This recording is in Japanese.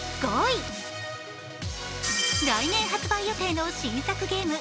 来年発売予定の新作ゲーム